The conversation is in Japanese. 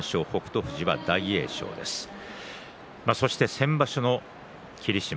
先場所の霧島